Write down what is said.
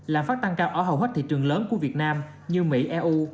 lạm phát tăng cao ở hầu hết thị trường lớn của việt nam như mỹ eu